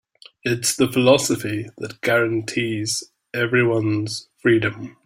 It's the philosophy that guarantees everyone's freedom.